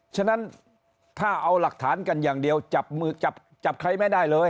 ฉะนั้นถ้าเอาหลักฐานกันอย่างเดียวจับมือจับใครไม่ได้เลย